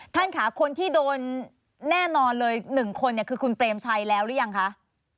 ท่านค่ะคนที่โดนแน่นอนเลย๑คนเนี่ยคือคุณเปรมชัยแล้วหรือยังคะ